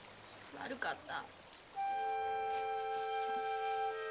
悪かった。